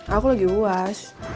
aku lagi uas